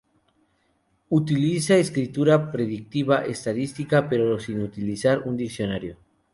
Utiliza escritura predictiva estadística, pero sin utilizar un diccionario.